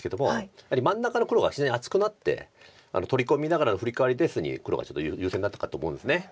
やはり真ん中の黒が非常に厚くなって取り込みながらのフリカワリで既に黒がちょっと優勢になったかと思うんです。